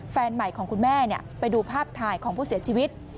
แฟนใหม่ของคุณแม่ไปดูภาพถ่ายของผู้เสียชีวิต